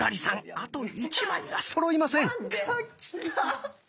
あと１枚がそろいません。